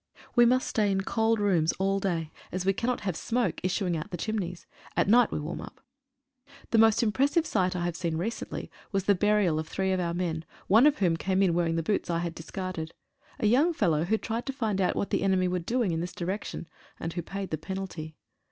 We must stay in cold rooms all day, as we cannot have smoke issuing out of the chimneys. At night we warm up. The most impressive sight I have seen recently was the burial of three of our men, one of whom came in wearing the boots I had discarded — a young fellow who tried to find out what the enemy were doing in this di rection, and who paid the penalty.